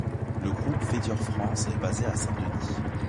Le Groupe Vedior France est basé à Saint-Denis.